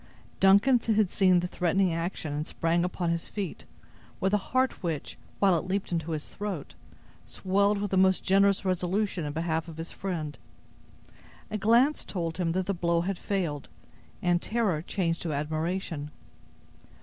Duncan had seen the threatening action, and sprang upon his feet, with a heart which, while it leaped into his throat, swelled with the most generous resolution in behalf of his friend. A glance told him that the blow had failed, and terror changed to admiration.